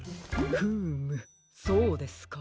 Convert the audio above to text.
フームそうですか。